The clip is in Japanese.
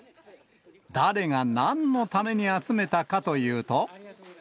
誰がなんのために集めたかというと。